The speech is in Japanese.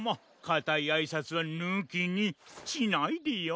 かたいあいさつはぬきにしないでよ。